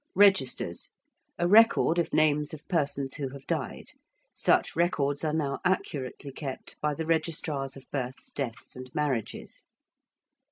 ~Registers~: a record of names of persons who have died. Such records are now accurately kept by the registrars of births, deaths, and marriages.